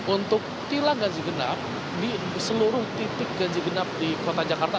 untuk tilang ganjigenap di seluruh titik ganjigenap di kota jakarta